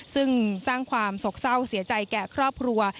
ซึ่งสร้างความสกเศร้าเสียใจแก่ครอบครัว